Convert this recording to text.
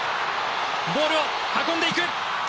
ボールを運んでいく。